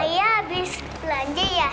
ayah abis pelanje ya